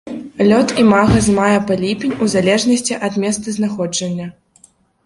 Лёт імага з мая па ліпень у залежнасці ад месцазнаходжання.